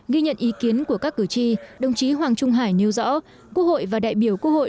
ghi nhận ý kiến của các cử tri đồng chí hoàng trung hải nêu rõ quốc hội và đại biểu quốc hội